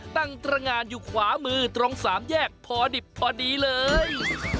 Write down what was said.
ตั้งตรงานอยู่ขวามือตรงสามแยกพอดิบพอดีเลย